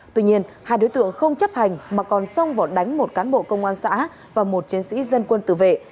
tuy nhiên hai đối tượng không chấp hành mà còn xông vào đánh một cán bộ công an xã và một chiến sĩ dân quân tự vệ